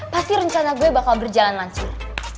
pasti rencana gue bakal berjalan langsung